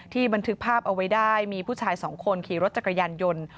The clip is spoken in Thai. บันทึกภาพเอาไว้ได้มีผู้ชายสองคนขี่รถจักรยานยนต์